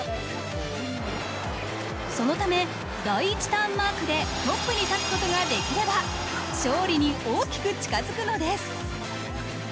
そのため、第１ターンマークでトップに立つことができれば勝利に大きく近づくのです。